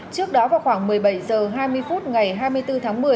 trước đó vào khoảng một mươi bảy h hai mươi phút ngày hai mươi bốn tháng một mươi